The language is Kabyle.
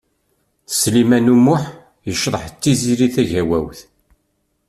Sliman U Muḥ yecḍeḥ d Tiziri Tagawawt.